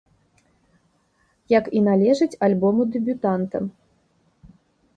Як і належыць альбому дэбютанта.